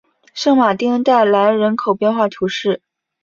圣马丁代来人口变化图示